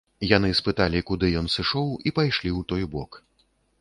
Яны спыталі, куды ён сышоў, і пайшлі ў той бок.